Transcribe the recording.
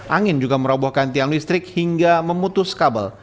angin juga merobohkan tiang listrik hingga memutus kabel